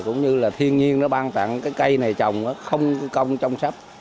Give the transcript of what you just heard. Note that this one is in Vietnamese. cũng như là thiên nhiên nó ban tặng cái cây này trồng không công trong sắp